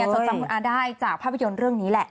จดจำคุณอาได้จากภาพยนตร์เรื่องนี้แหละ